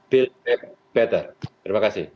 build better terima kasih